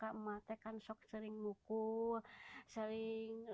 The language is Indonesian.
imas ini suka sering menggigil